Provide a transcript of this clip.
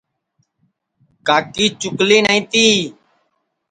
کاکی چُکلی نائی تی